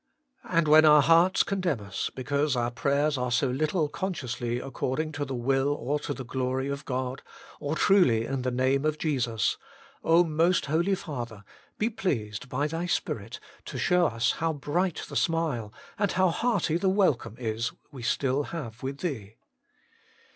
And when our hearts condemn us, because our prayers are so little consciously according to the will or to the glory of God, or truly in the name of Jesus, most Holy Father, be pleased by Thy Spirit to show us how bright the smile and how hearty the welcome is we still have with Thee.